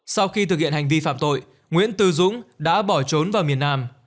sau khi thực hiện hành vi phạm tội nguyễn tư dũng đã bỏ trốn vào miền nam